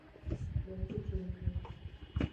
Donji e chiro piyo piyo